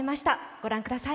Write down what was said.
ご覧ください。